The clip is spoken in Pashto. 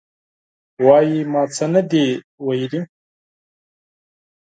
وایي: ما څه نه دي ویلي.